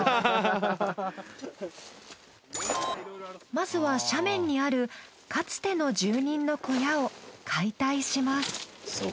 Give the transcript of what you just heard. まずは斜面にあるかつての住人の小屋を解体します。